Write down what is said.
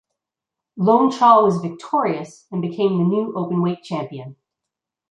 Lone Chaw was victorious and became the new Openweight Champion.